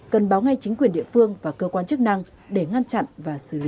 cần báo ngay chính quyền địa phương và cơ quan chức năng để ngăn chặn và xử lý